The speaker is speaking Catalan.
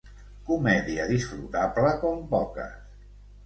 Comèdia disfrutable com poques